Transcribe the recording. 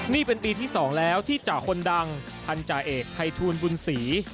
นี่เป็นปีที่๒แล้วที่จ่าคนดังพันธาเอกภัยทูลบุญศรี